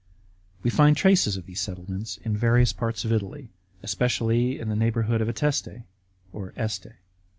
We find traces of these settlements in various parts of Italy, especially in the neighbourhood of Ateste (Este).